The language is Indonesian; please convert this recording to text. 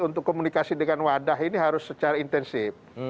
untuk komunikasi dengan wadah ini harus secara intensif